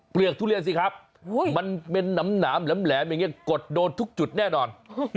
กทุเรียนสิครับมันเป็นหนามแหลมอย่างนี้กดโดนทุกจุดแน่นอน